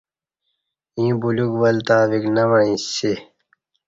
ییں بلیوک ول تا ویک نہ وعیݩسی